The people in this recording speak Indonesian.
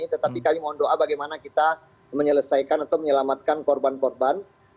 tetapi kami mohon doa bagaimana kita menyelesaikan atau menyelamatkan korban korban